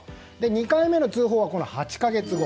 ２回目の通報はこの８か月後。